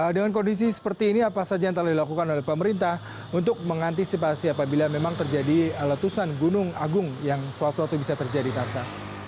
dengan kondisi seperti ini apa saja yang telah dilakukan oleh pemerintah untuk mengantisipasi apabila memang terjadi letusan gunung agung yang suatu waktu bisa terjadi tasa